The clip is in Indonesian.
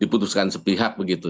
diputuskan sepihak begitu